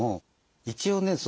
一応ね